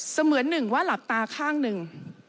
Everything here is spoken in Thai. เหมือนหนึ่งว่าหลับตาข้างหนึ่ง